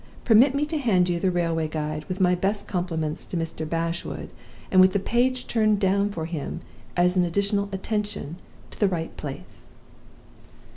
Permit me to hand you the railway guide, with my best compliments to Mr. Bashwood, and with the page turned down for him, as an additional attention, at the right place.